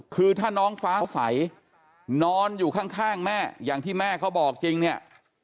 คือถ้าน้องฟ้าใสนอนอยู่ข้างแม่อย่างที่แม่เขาบอกจริงเนี่ย